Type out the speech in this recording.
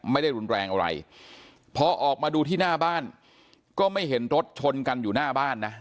ไม่ได้รุนแรงอะไรพอออกมาดูที่หน้าบ้านก็ไม่เห็นรถชนกันอยู่หน้าบ้านนะ